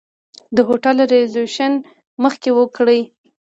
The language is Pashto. د هوټل ریزرویشن مخکې وکړئ.